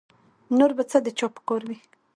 نور به څه د چا په کار وي